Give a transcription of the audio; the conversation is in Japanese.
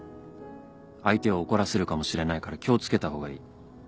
相手を怒らせるかもしれないから気を付けた方がいい。